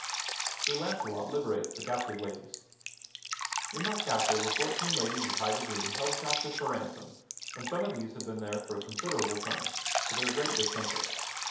[Sidenote: Sir Launcelot liberates the captive ladies] In that castle were fourteen ladies of high degree held captive for ransom; and some of these had been there for a considerable time, to their great discomfort.